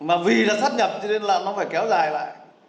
mà vì đã sát nhập cho nên là nó phải kéo dài lại